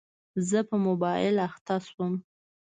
زه په موبایل اخته شوم.